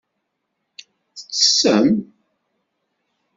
Tettessem?